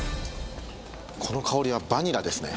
この香りはバニラですね。